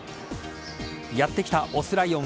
やって来た雄ライオン。